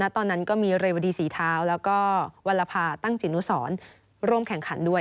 ตอนนั้นก็มีเรวดีศรีเท้าแล้วก็วัลภาตั้งจิตนุสรร่วมแข่งขันด้วย